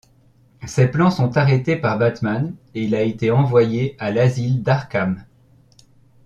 Ses plans sont arrêtés par Batman et il a été envoyé à l'Asile d'Arkham.